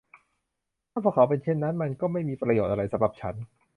ถ้าพวกเขาเป็นเช่นนั้น มันก็ไม่มีประโยชน์อะไรสำหรับฉัน